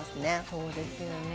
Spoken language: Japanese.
そうですよね。